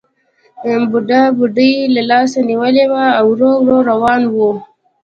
بوډا بوډۍ له لاسه نیولې وه او ورو ورو روان وو